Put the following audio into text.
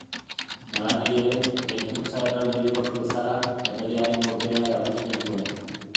Nolanahi ere, eraikuntza erraldoi orok bezala, erregearen boterea erakusten zuen.